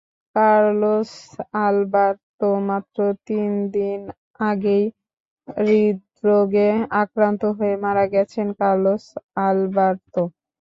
Carlos আলবার্তোমাত্র তিন দিন আগেই হৃদ্রোগে আক্রান্ত হয়ে মারা গেছেন কার্লোস আলবার্তো।